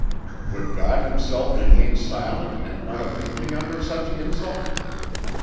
Would God himself remain silent and unavenging under such insult?